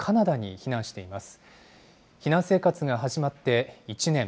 避難生活が始まって１年。